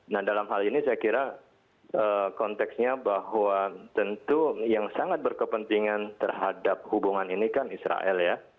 nah dalam hal ini saya kira konteksnya bahwa tentu yang sangat berkepentingan terhadap hubungan ini kan israel ya